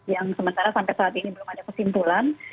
yang sementara sampai saat ini belum ada kesimpulan